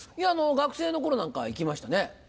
学生の頃なんかは行きましたね。